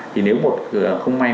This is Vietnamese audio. thì nếu không may